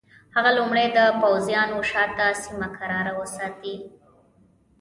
هغه لومړی د پوځیانو شاته سیمه کراره وساتي.